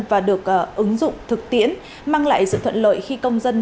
và được ứng dụng thực tiễn mang lại sự thuận lợi khi công dân